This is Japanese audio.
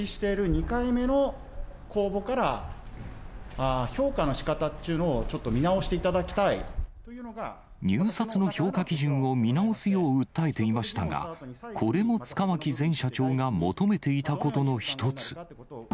２回目の公募から評価のしかたっていうのをちょっと見入札の評価基準を見直すよう訴えていましたが、これも塚脇前社長が求めていたことの一つ。